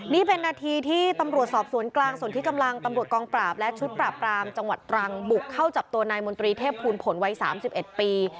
นี่เป็นนาทีที่ตำรวจสอบสวนกลางส่วนที่กำลังตำรวจกองปราบและชุดปราบปรามจังหวัดตรังบุกเข้าจับตัวนายมนตรีเทพภูลผลวัย๓๑ปี